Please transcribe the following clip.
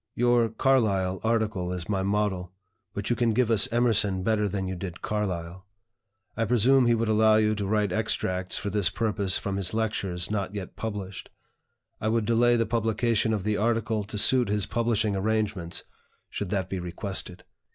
Your 'Carlyle' article is my model, but you can give us Emerson better than you did Carlyle. I presume he would allow you to write extracts for this purpose from his lectures not yet published. I would delay the publication of the article to suit his publishing arrangements, should that be requested.